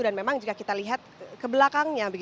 dan memang jika kita lihat ke belakangnya